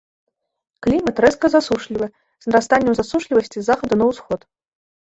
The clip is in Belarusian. Клімат рэзка засушлівы з нарастаннем засушлівасці з захаду на ўсход.